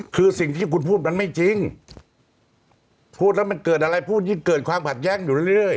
คือสิ่งที่คุณพูดมันไม่จริงพูดแล้วมันเกิดอะไรพูดยิ่งเกิดความขัดแย้งอยู่เรื่อย